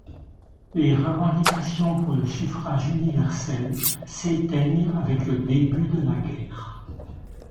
Les revendications pour le suffrage universel s’éteignent avec le début de la guerre.